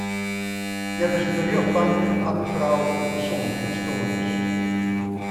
Neffens de rjochtbank hat de frou in persoanlikheidsstoarnis.